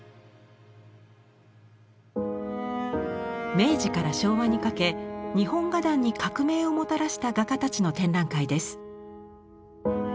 明治から昭和にかけ日本画壇に革命をもたらした画家たちの展覧会です。